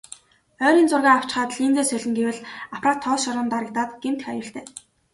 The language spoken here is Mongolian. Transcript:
Ойрын зургаа авчхаад линзээ солино гэвэл аппарат тоос шороонд дарагдаад гэмтэх аюултай.